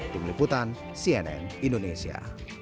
tim liputan cnn indonesia